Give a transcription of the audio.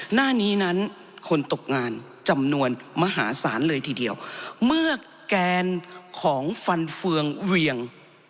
หน้านี้นั้นคนตกงานจำนวนมหาศาลเลยทีเดียวเมื่อแกนของฟันเฟืองเวียง